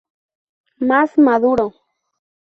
Más maduro.